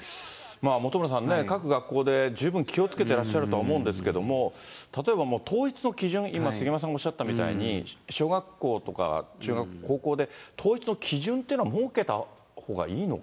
本村さんね、各学校で十分気をつけてらっしゃるとは思うんですけども、例えばもう統一の基準、今、杉山さんがおっしゃったみたいに、小学校とか中学、高校で統一の基準というのは設けたほうがいいのか。